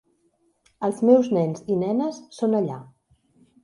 El meus nens i nenes són allà.